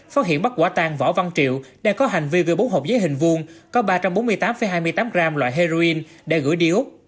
phát hiện bắt quả tang võ văn triệu đang có hành vi gửi bốn hộp giấy hình vuông có ba trăm bốn mươi tám hai mươi tám gram loại heroin để gửi đi úc